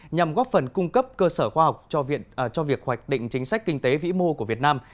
nhằm góp phần cung cấp cơ sở khoa học cho việc hoạch định chính sách kinh tế vĩ mô của việt nam